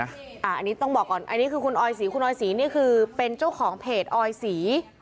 อันนี้ต้องบอกก่อนอันนี้คือคุณออยศรีคุณออยศรีนี่คือเป็นเจ้าของเพจออยศรี